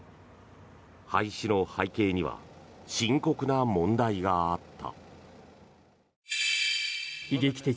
廃止の背景には深刻な問題があった。